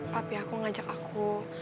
papi aku ngajak aku